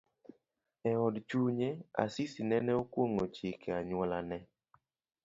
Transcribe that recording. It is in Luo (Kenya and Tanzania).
Eod chunye, Asisi nene okwong'o chike anyuolane.